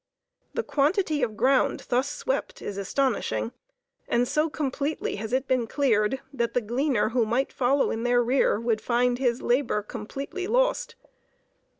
The quantity of ground thus swept is astonishing, and so completely has it been cleared, that the gleaner who might follow in their rear would find his labor completely lost.